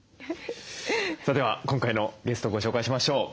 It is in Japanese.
さあでは今回のゲストをご紹介しましょう。